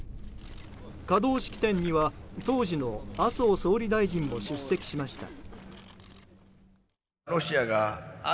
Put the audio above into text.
稼働式典には当時の麻生総理大臣も出席しました。